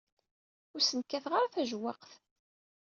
Ur sen-kkateɣ ara tajewwaqt.